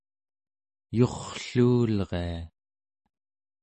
yurrluulria